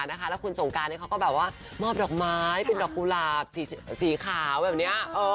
แล้วคุณสงการเขาก็แบบว่ามอบดอกไม้เป็นดอกกุหลาบสีขาวแบบนี้